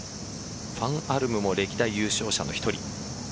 黄アルムも歴代優勝者の１人。